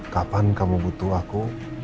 kapan kamu butuh aku